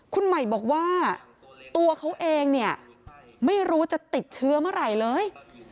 คุณใหม่บอกว่าตัวเขาเองเนี่ยไม่รู้จะติดเชื้อเมื่อไหร่เลย